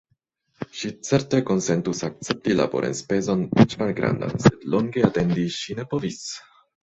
Ŝi certe konsentus akcepti laborenspezon eĉ malgrandan, sed longe atendi ŝi ne povis.